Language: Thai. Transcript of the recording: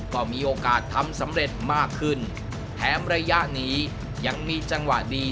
ก็มีโอกาสทำสำเร็จมากขึ้นแถมระยะนี้ยังมีจังหวะดี